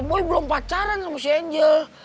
boy belum pacaran sama si angel